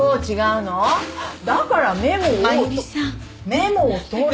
メモを取れ。